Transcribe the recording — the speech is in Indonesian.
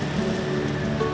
masjidil haram masjidil haram